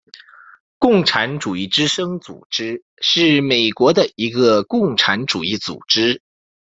共产主义之声组织是美国的一个共产主义组织。